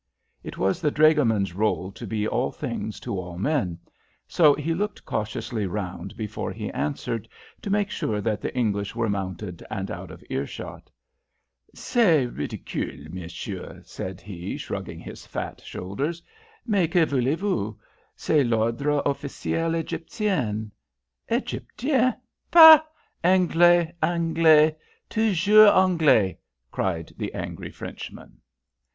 _" It was the dragoman's rôle to be all things to all men, so he looked cautiously round before he answered to make sure that the English were mounted and out of earshot. "C'est ridicule, monsieur!" said he, shrugging his fat shoulders. "Mais que voulez vous? C'est l'ordre officiel Egyptien." "Egyptien! Pah, Anglais, Anglais toujours Anglais!" cried the angry Frenchman.